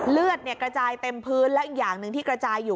เลือดกระจายเต็มพื้นแล้วอีกอย่างหนึ่งที่กระจายอยู่